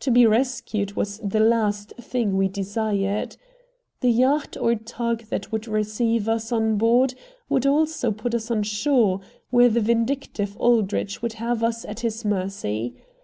To be "rescued" was the last thing we desired. The yacht or tug that would receive us on board would also put us on shore, where the vindictive Aldrich would have us at his mercy.